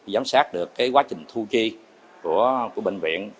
giám sát được quá trình thu chi của bệnh viện